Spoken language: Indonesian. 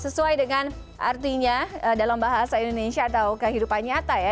sesuai dengan artinya dalam bahasa indonesia atau kehidupan nyata ya